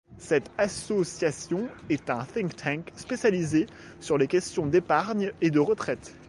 Cette association est un think tank spécialisé sur les questions d'épargne et de retraite.